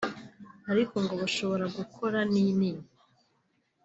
ariko ngo bashobora gukora n’inini